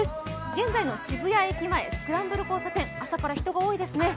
現在の渋谷駅前、スクランブル交差点、朝から人が多いですね。